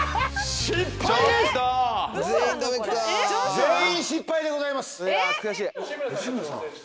全員失敗でございます。